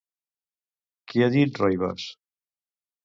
Què ha dit Roivas?